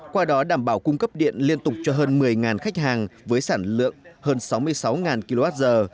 qua đó đảm bảo cung cấp điện liên tục cho hơn một mươi khách hàng với sản lượng hơn sáu mươi sáu kwh